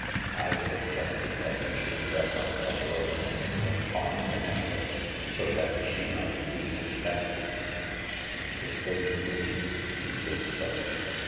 I suggested that he should dress up as Rosa, and pawn the neck The Second Customer. 85 lace, so that she might be suspected. To save me, he did so.